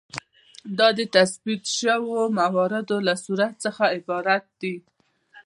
دا د تثبیت شویو مواردو له صورت څخه عبارت دی.